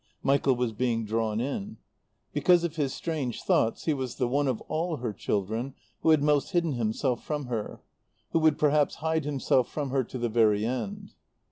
Michael was being drawn in. Because of his strange thoughts he was the one of all her children who had most hidden himself from her; who would perhaps hide himself from her to the very end.